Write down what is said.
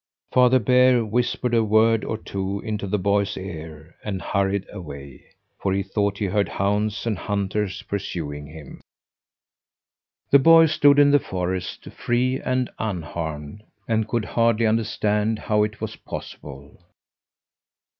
Father Bear whispered a word or two into the boy's ear and hurried away, for he thought he heard hounds and hunters pursuing him. The boy stood in the forest, free and unharmed, and could hardly understand how it was possible.